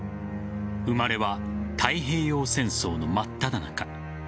生まれは太平洋戦争のまっただ中。